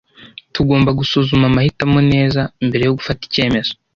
Tugomba gusuzuma amahitamo neza mbere yo gufata icyemezo.